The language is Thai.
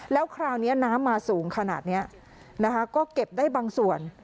แล้วคราวนี้น้ำมาสูงขนาดนี้นะคะก็เก็บได้บางส่วน